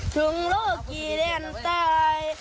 ถึงโลกอีแรนตาย